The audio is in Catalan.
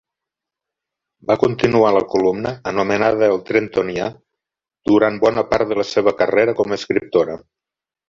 Va continuar la columna, anomenada "El Trentonià", durant bona part de la seva carrera com a escriptora.